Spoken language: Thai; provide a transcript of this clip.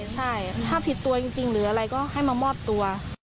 ใช่ถ้าผิดตัวจริงหรืออะไรก็ให้มามอบตัว